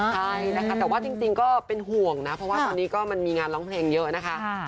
ใช่นะคะจริงก็เป็นห่วงนะเพราะมันมีงานร้องเพลงเยอะนะคะ